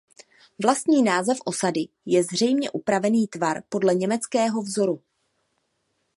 Vlastní název osady je zřejmě upravený tvar podle německého vzoru.